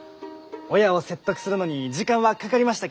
親を説得するのに時間はかかりました